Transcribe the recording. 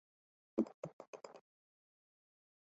新北市万金石马拉松银标签认证的国际级马拉松。